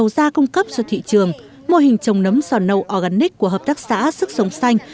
giá cung cấp cho thị trường mô hình trồng nấm sò nâu organic của hợp tác xã sức sống xanh